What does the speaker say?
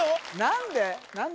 何で？